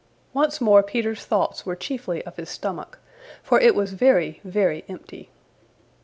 Once more Peter's thoughts were chiefly of his stomach, for it was very, very empty.